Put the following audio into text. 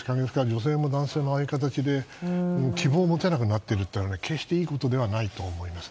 女性も男性も、ああいう形で希望を持てなくなっているのは決していいことではないと思います。